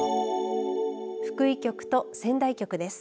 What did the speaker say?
福井局と仙台局です。